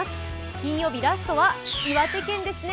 金曜日ラストは岩手県ですね。